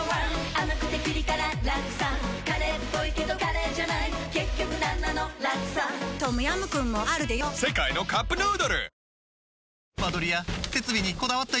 甘くてピリ辛ラクサカレーっぽいけどカレーじゃない結局なんなのラクサトムヤムクンもあるでヨ世界のカップヌードル